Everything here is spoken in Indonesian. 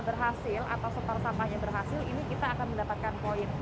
berhasil atau setor sampahnya berhasil ini kita akan mendapatkan poin